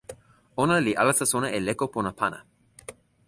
ona li alasa sona e leko pona pana.